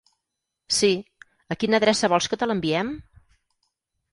Sí, a quina adreça vols que te l'enviem?